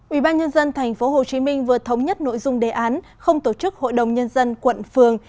ủy ban nhân dân tp hcm vừa thống nhất nội dung đề án không tổ chức hội đồng nhân dân quận phường